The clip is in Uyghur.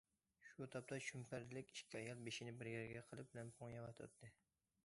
شۇ تاپتا چۈمپەردىلىك ئىككى ئايال بېشىنى بىر يەرگە قىلىپ لەڭپۇڭ يەۋاتاتتى.